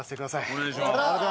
お願いします。